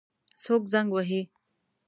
څوک زنګ وهي؟